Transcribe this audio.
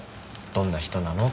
「どんな人なの？」